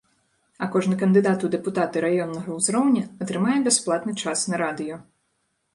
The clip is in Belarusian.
А кожны кандыдат у дэпутаты раённага ўзроўня атрымае бясплатны час на радыё.